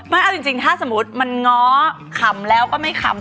ไม่เอาจริงถ้าสมมุติมันง้อขำแล้วก็ไม่ขำ